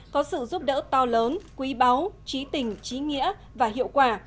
có sự giúp đỡ to lớn quý báu trí tình trí nghĩa và hiệu quả